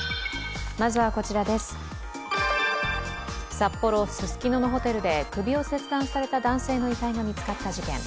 札幌・ススキノのホテルで首を切断された男性の遺体が見つかった事件。